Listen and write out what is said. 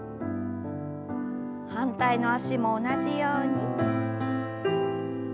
反対の脚も同じように。